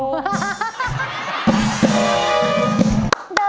โอเคป่ะโอ้